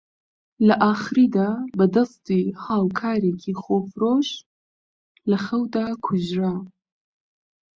لە ئاخریدا بە دەستی هاوکارێکی خۆفرۆش لە خەودا کوژرا